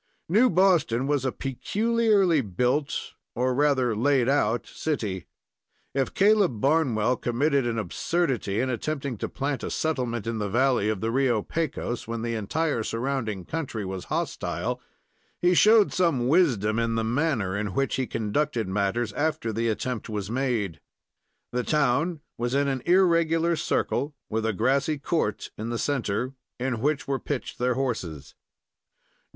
New Boston was a peculiarly built, or rather laid out, city. If Caleb Barnwell committed an absurdity in attempting to plant a settlement in the valley of the Rio Pecos, when the entire surrounding country was hostile, he showed some wisdom in the manner in which he conducted matters after the attempt was made. The town was in an irregular circle, with a grassy court in the centre, in which were pitched their horses.